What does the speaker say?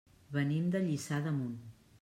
Venim de Lliçà d'Amunt.